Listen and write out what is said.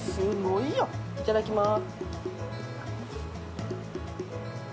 いただきまーす。